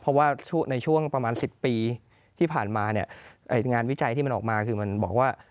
เพราะว่าในช่วงประมาณ๑๐ปีที่ผ่านมาเนี่ยงานวิจัยที่มันออกมาคือมันบอกว่า